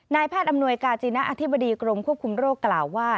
แพทย์อำนวยกาจีณะอธิบดีกรมควบคุมโรคกล่าวว่า